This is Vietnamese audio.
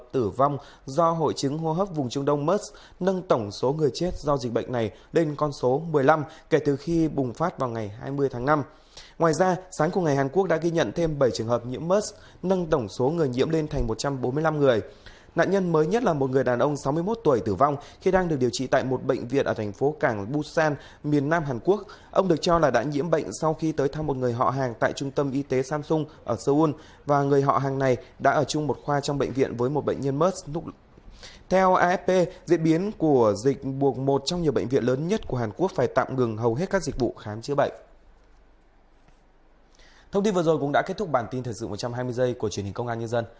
thì vừa rồi cũng đã kết thúc bản tin thật sự một trăm hai mươi giây của truyền hình công an nhân dân